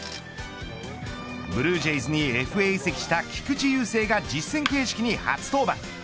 ブルージェイズにＦＡ移籍した菊池雄星が実戦形式に初登板。